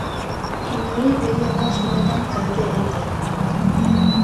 Inori bere ondasunetan kalte egitea.